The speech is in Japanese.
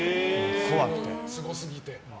すごすぎて。